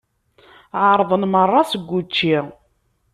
Ԑerḍen merra seg wučči.